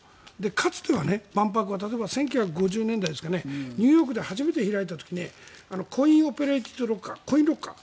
かつては万博は例えば１９５０年代ニューヨークで初めて開いた時コインオペレーテッドロッカーコインロッカー。